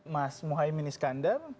mas muhaymin iskandar